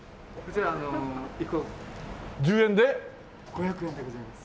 ５００円でございます。